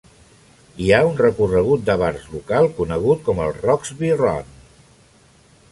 Hi ha un recorregut de bars local conegut com el "Roxby Run".